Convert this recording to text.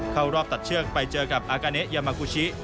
เข้ารอบตัดเชือกไปเจอกับอากาเนยามากูชิ